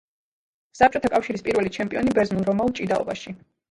საბჭოთა კავშირის პირველი ჩემპიონი ბერძნულ-რომაულ ჭიდაობაში.